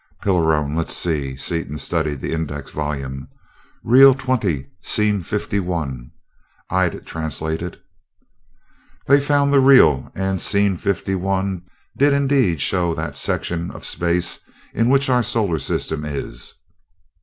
"Pilarone ... let's see...." Seaton studied the index volume. "Reel twenty, scene fifty one, I'd translate it." They found the reel, and "scene fifty one" did indeed show that section of space in which our solar system is.